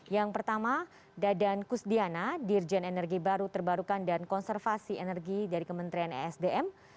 yang pertama dadan kusdiana dirjen energi baru terbarukan dan konservasi energi dari kementerian esdm